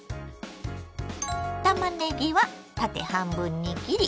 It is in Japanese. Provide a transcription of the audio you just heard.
たまねぎは縦半分に切り縦に薄切り。